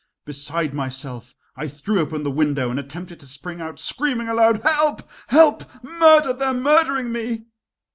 Beside myself, I threw open the window and attempted to spring out, screaming aloud: "Help! help! murder! they are murdering me!"